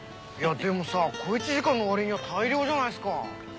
でもさ小１時間のわりには大漁じゃないすか。